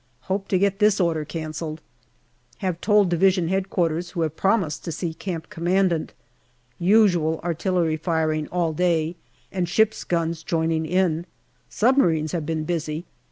Hope to get this order cancelled. Have told D.H.Q., who have promised to see Camp Commandant. Usual artillery firing all day, and ship's guns joining in. Submarines have been busy.